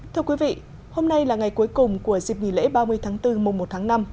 thưa quý vị hôm nay là ngày cuối cùng của dịp nghỉ lễ ba mươi tháng bốn mùa một tháng năm